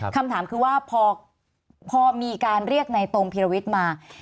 คำถามคือว่าพอมีการเรียกในตรงพีรวิทย์มา